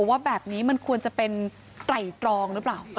ว่าแบบนี้มันควรจะเป็นไตรตรองหรือเปล่า